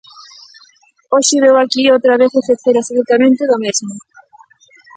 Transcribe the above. Hoxe veu aquí outra vez exercer absolutamente do mesmo.